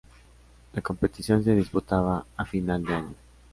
La competición se disputaba a final de año.